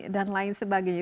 dan lain sebagainya